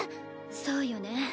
そうよね。